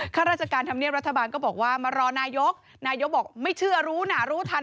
ข้าราชการธรรมเนียบรัฐบาลก็บอกว่ามารอนายกนายกบอกไม่เชื่อรู้นะรู้ทัน